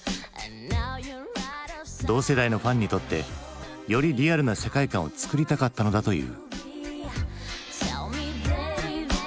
同世代のファンにとってよりリアルな世界観を作りたかったのだという。